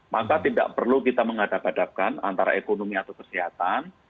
maka tidak perlu kita menghadap hadapkan antara ekonomi atau kesehatan